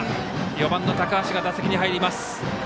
４番の高橋が打席に入ります。